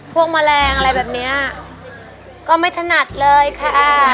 แมลงอะไรแบบเนี้ยก็ไม่ถนัดเลยค่ะ